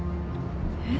えっ？